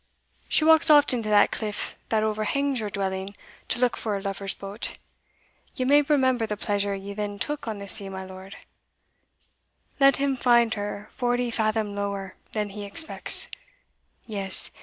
She walks often to that cliff that overhangs your dwelling to look for her lover's boat (ye may remember the pleasure ye then took on the sea, my Lord) let him find her forty fathom lower than he expects!' Yes!